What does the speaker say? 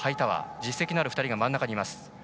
実績のある２人が真ん中にいます。